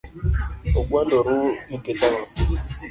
Ugwandoru nikech ang’o?